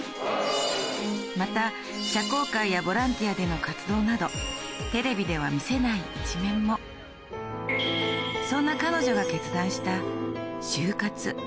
また社交界やボランティアでの活動などテレビでは見せない一面もそんな今。